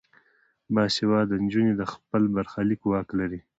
باسواده نجونې د خپل برخلیک واک لري.